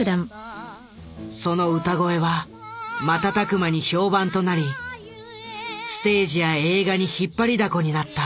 その歌声は瞬く間に評判となりステージや映画に引っ張りだこになった。